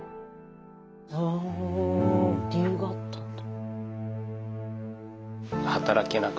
ほう理由があったんだ。